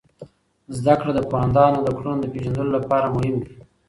زده کړه د پوهاندانو د کړنو د پیژندلو لپاره مهم دی.